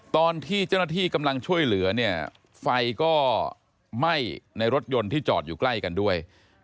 ตอนที่เจ้าหน้าที่กำลังช่วยเหลือเนี่ยไฟก็ไหม้ในรถยนต์ที่จอดอยู่ใกล้กันด้วย